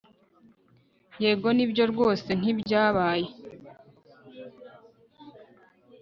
Yego nibyo rwose ntibyabaye